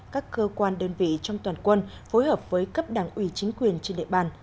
các cơ quan đơn vị trong toàn quân phối hợp với cấp đảng ủy chính quyền trên địa bàn